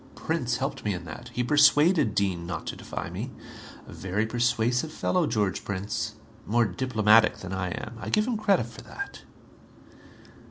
Prince helped me in that. He persuaded Dean not to defy me. A very persuasive fellow, George Prince. More diplomatic than I am. I give him credit for that."